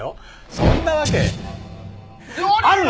そんなわけあるの！？